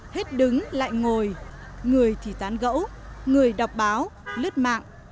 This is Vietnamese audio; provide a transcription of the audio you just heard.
hết đứng lại ngồi người thì tán gẫu người đọc báo lướt mạng